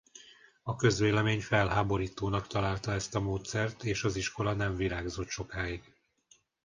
A közvélemény felháborítónak találta ezt a módszert és az iskola nem virágzott sokáig.